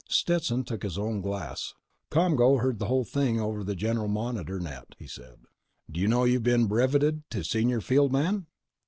Stetson took his own glass. "ComGO heard the whole thing over the general monitor net," he said. "D'you know you've been breveted to senior field man?"